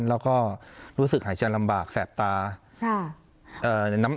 แล้วก็รู้สึกหายใจลำบากแสบตา